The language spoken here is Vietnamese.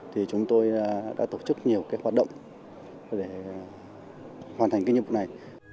thì chúng tôi đã tổ chức nhiều hoạt động để hoàn thành nhiệm vụ này